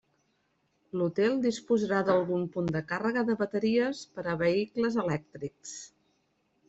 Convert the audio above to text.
L'hotel disposarà d'algun punt de càrrega de bateries per a vehicles elèctrics.